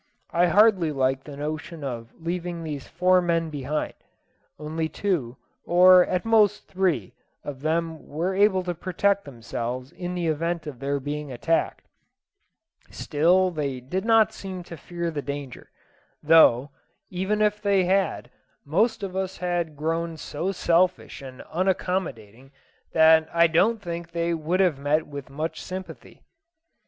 I hardly liked the notion of leaving these four men behind only two, or at most three, of them able to protect themselves in the event of their being attacked; still they did not seem to fear the danger: though, even if they had, most of us had grown so selfish and unaccommodating, that I don't think they would have met with much sympathy.